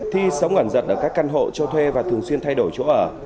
thi sống ẩn giật ở các căn hộ cho thuê và thường xuyên thay đổi chỗ ở